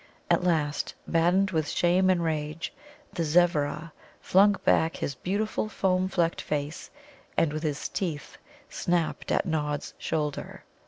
At last, maddened with shame and rage, the Zevvera flung back his beautiful foam flecked face, and with his teeth snapped at Nod's shoulder.